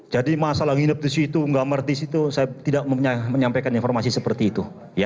jadi masalah nginep di situ nggak merti di situ saya tidak menyampaikan informasi seperti itu